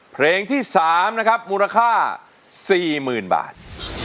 เพลงที่สามนะครับมูลค่าสี่หมื่นบาท